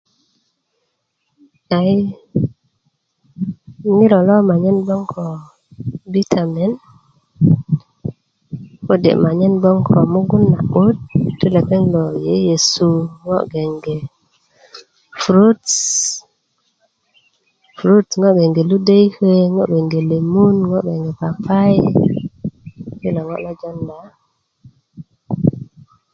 ai ŋiro lo anyen gboŋ ko bitamin ko de manyen gboŋ ko mugun na 'but ti lepeŋ lo yeyesu ŋo gege prutś ŋo gege lu'dayäki ŋo gege lemun ŋo gege paipai kilo ŋo lo jonda